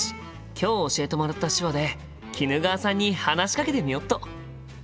今日教えてもらった手話で衣川さんに話しかけてみよっと！